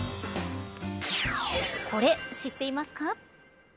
これ、知っていますか。